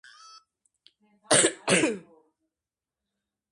ადმინისტრაციული ცენტრი ნიტრა.